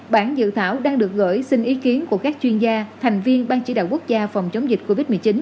bản dự thảo đang được gửi xin ý kiến của các chuyên gia thành viên ban chỉ đạo quốc gia phòng chống dịch covid một mươi chín